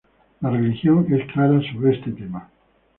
La religión es clara sobre este tema.